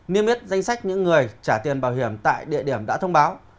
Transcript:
niêm yết danh sách những người trả tiền bảo hiểm tại địa điểm đã thông báo